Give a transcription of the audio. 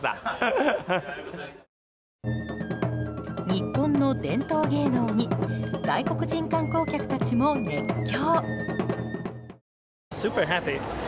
日本の伝統芸能に外国人観光客たちも熱狂。